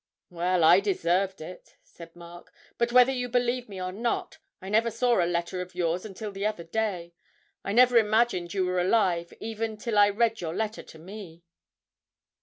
'Well, I deserve it,' said Mark, 'but whether you believe me or not, I never saw a letter of yours until the other day. I never imagined you were alive even till I read your letter to me.'